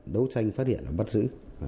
đấu tranh phát hiện bắt giữ